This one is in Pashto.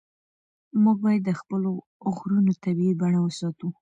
موږ باید د خپلو غرونو طبیعي بڼه وساتو.